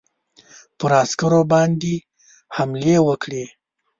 پر عسکرو باندي حملې وکړې.